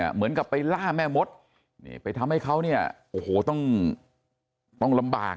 เหมือนกับไปล่าแม่มดไปทำให้เขาเนี่ยโอ้โหต้องลำบาก